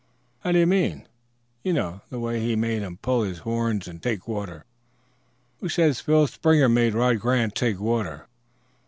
"How do you mean?" "You know; the way he made him pull his horns and take water." "Who says Phil Springer made Rod Grant take water?"